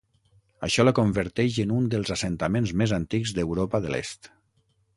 Això la converteix en un dels assentaments més antics d'Europa de l'est.